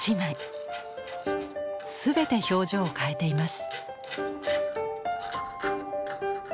全て表情を変えています。